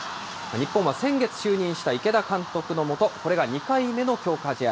日本は先月、就任した池田監督の下、これが２回目の強化試合。